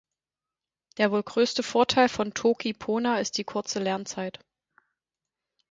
Der wohl größte Vorteil von Toki Pona ist die kurze Lernzeit.